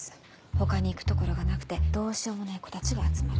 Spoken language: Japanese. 他に行く所がなくてどうしようもない子たちが集まる。